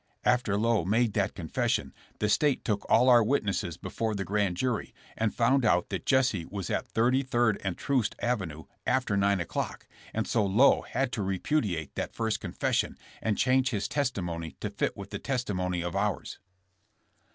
After Lowe made that confession, the state took all our witnesses before the grand jury and foimd out that Jesse was at Thirty third and Troost avenue after 9 o'clock, and so Lowe had to repudiate that first confession and change his testimony to fit with the testimony of ours.